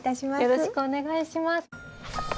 よろしくお願いします。